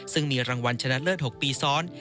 ซึ่งมีรางวัลชนะเลิศ๖ปีซ้อน